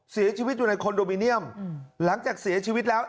เสียชีวิตอยู่ในคอนโดมิเนียมหลังจากเสียชีวิตแล้ว